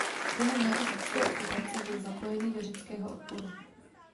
Během nacistické okupace byl zapojený do řeckého odporu.